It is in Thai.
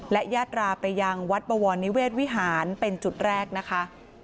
และยาตราไปยังวัดบวรนิเวศวิหารเป็นจุดแรกนะคะ